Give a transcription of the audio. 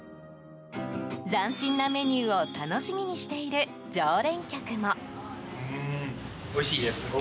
斬新なメニューを楽しみにしている常連客も。